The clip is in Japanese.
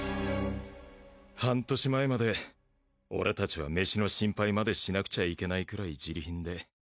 半年前まで俺達はメシの心配までしなくちゃいけないくらいジリ貧で。